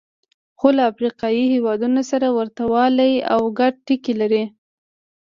خو له افریقایي هېوادونو سره ورته والی او ګډ ټکي لري.